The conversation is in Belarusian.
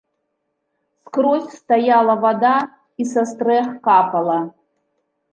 Скрозь стаяла вада і са стрэх капала.